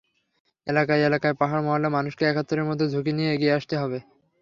এলাকায় এলাকায়, পাড়া-মহল্লার মানুষকে একাত্তরের মতো ঝুঁকি নিয়ে এগিয়ে আসতে হবে।